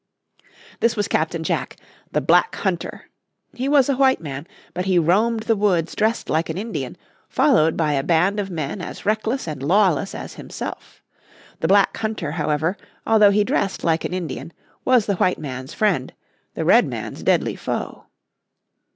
This was Captain Jack, the Black Hunter. He was a white man, but he roamed the woods dressed like an Indian, followed be a band of men as reckless and lawless as himself. The Black Hunter, however, although he dressed like an Indian, was the white man's friend, the Redman's deadly foe.